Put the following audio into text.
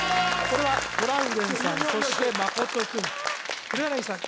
これはトラウデンさんそして真君黒柳さん